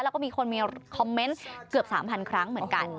แล้วก็มีคนมีคอมเมนต์เกือบ๓๐๐ครั้งเหมือนกัน